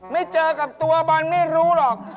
ไม่เจอกับตัวบอลไม่รู้หรอก